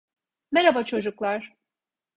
Merhaba çocuklar.